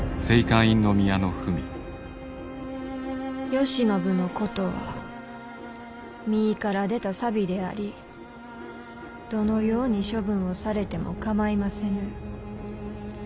「慶喜のことは身から出た錆でありどのように処分をされても構いませぬ。